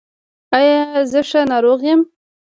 ایا زه ښه ناروغ یم؟